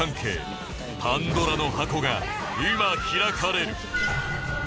パンドラの箱が今開かれる